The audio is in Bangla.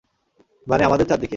মানে, আমাদের চারদিকে।